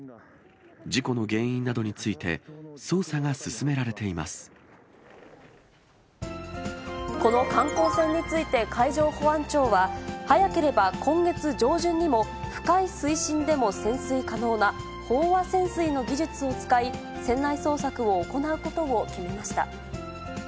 事故の原因などについて、捜査がこの観光船について、海上保安庁は、早ければ今月上旬にでも深い水深でも潜水可能な、飽和潜水の技術を使い、船内捜索を行うことを決めました。